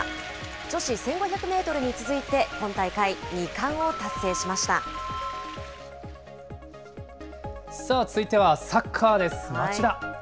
女子１５００メートルに続いて、さあ、続いてはサッカーです。